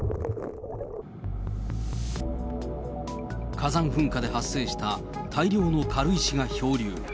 火山噴火で発生した大量の軽石が漂流。